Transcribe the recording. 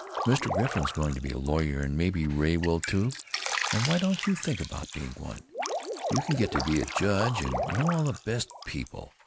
"Mr. Griffin 's going to be a lawyer and maybe Ray will, too, and why don't you think about being one? You can get to be a judge and know all the best people.